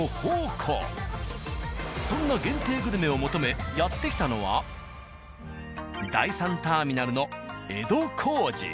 そんな限定グルメを求めやって来たのは第３ターミナルの江戸小路。